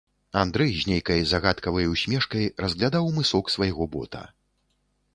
Андрэй з нейкай загадкавай усмешкай разглядаў мысок свайго бота.